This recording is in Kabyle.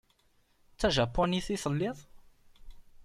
D tajapunit i telliḍ?